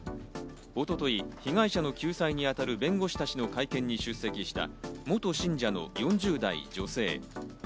一昨日、被害者の救済に当たる弁護士たちの会見に出席した元信者の４０代女性。